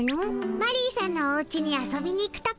マリーさんのおうちに遊びに行くとこ。